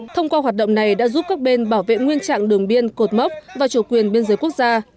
thông qua hoạt động này đã giúp các bên bảo vệ nguyên trạng đường biên cột mốc và chủ quyền biên giới quốc gia